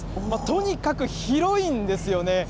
とにかく広いんですよね。